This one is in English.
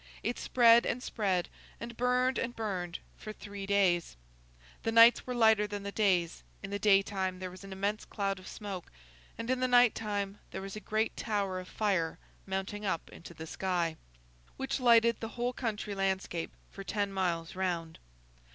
It spread and spread, and burned and burned, for three days. The nights were lighter than the days; in the daytime there was an immense cloud of smoke, and in the night time there was a great tower of fire mounting up into the sky, which lighted the whole country landscape for ten miles round.